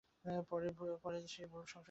পরে সেই ভুল গুগল সংশোধন করেছে।